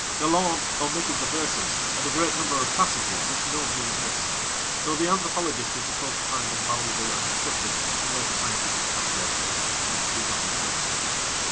Galland omitted the verses and a great number of passages which nobody would miss, though the anthropologist is supposed to find them valuable and instructive in later scientific translations which do not amuse.